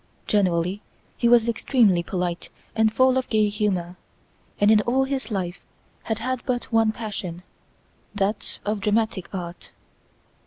Generally he was extremely polite and full of gay humour, and in all his life had had but one passion, that of dramatic art.